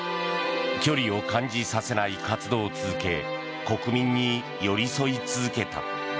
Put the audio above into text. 距離を感じさせない活動を続け国民に寄り添い続けた。